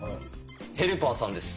ヘルパーさんです。